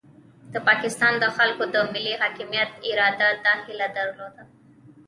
د پاکستان د خلکو د ملي حاکمیت اراده دا هیله نه درلوده.